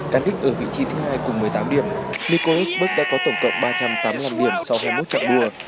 cắn đích ở vị trí thứ hai cùng một mươi tám điểm nico rosberg đã có tổng cộng ba trăm tám mươi năm điểm sau hai mươi một trạng đua